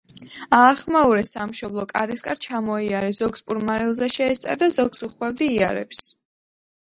აახმაურე სამშობლო, კარისკარ ჩამოიარე ზოგს პურ მარილზე შეესწარ და ზოგს უხვევდი იარებს...